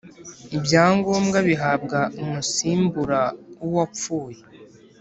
ibya ngombwa bihabwa umusimbura wuwa pfuye